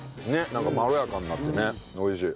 なんかまろやかになってね美味しい。